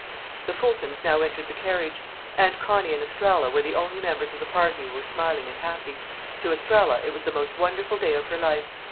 The Fultons now entered the carriage. Aunt Connie and Estralla were the only members of the party who were smiling and happy. To Estralla it was the most wonderful day of her life.